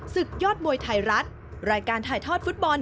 ศึกยอดมวยไทยรัฐรายการถ่ายทอดฟุตบอล